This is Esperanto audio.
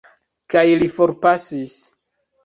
Kaj li forpasis.